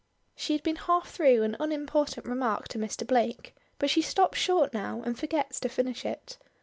She had been half through an unimportant remark to Mr. Blake, but she stops short now and forgets to finish it.